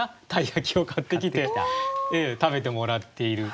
鯛焼を買ってきて食べてもらっている。